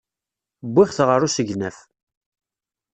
Wwiɣ-t ɣer usegnaf.